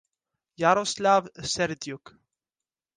Yaroslav Serdyuk.